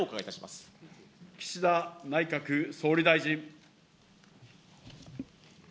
岸田内閣総理大臣。